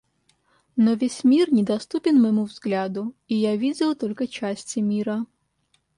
Но весь мир недоступен моему взгляду, и я видел только части мира.